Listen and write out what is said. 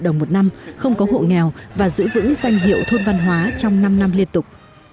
đồng một năm không có hộ nghèo và giữ vững danh hiệu thôn văn hóa trong năm năm liên tục